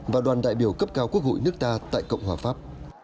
và đoàn đại biểu cấp cao quốc hội nước ta tại cộng hòa pháp